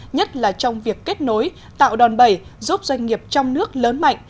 nhất là trong việc kết nối tạo đòn bẩy giúp doanh nghiệp trong nước lớn mạnh